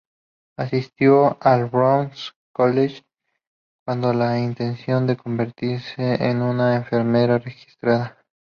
Asistió al Broward College con la intención de convertirse en una enfermera registrada.